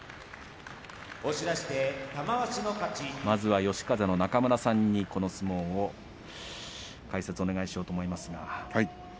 まずは嘉風の中村さんにこの相撲解説をお願いしようと思います。